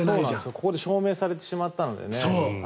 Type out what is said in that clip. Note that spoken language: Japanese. ここで証明されてしまったのでね。